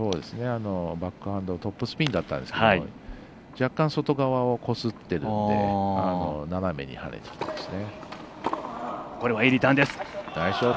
バックハンドトップスピンだったんですが若干、外側をこすってるんで斜めに入るんですね。